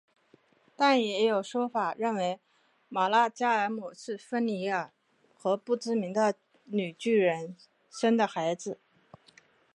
但也有说法认为玛纳加尔姆是芬里尔和不知名的女巨人生的孩子。